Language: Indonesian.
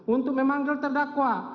untuk memanggil terdakwa